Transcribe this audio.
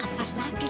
kamu tekan lagi